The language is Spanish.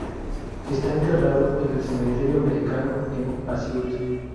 Está enterrado en el Cementerio Americano en Asiut.